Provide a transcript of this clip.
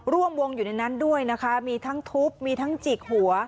ร่วมวงอยู่ในนั้นด้วยนะคะมีทั้งทุบมีทั้งจิกหัว